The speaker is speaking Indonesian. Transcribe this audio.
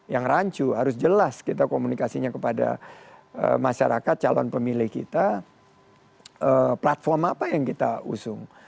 yang rancu harus jelas kita komunikasinya kepada masyarakat calon pemilih kita platform apa yang kita usung